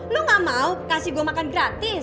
lu gak mau kasih gue makan gratis